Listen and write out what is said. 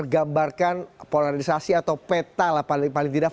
gambarkan polarisasi atau peta lah paling tidak